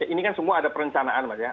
ini kan semua ada perencanaan mas ya